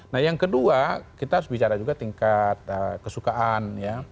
nah yang kedua kita harus bicara juga tingkat kesukaan ya